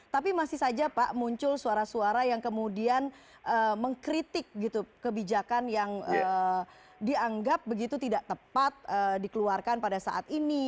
tapi masih saja pak muncul suara suara yang kemudian mengkritik kebijakan yang dianggap begitu tidak tepat dikeluarkan pada saat ini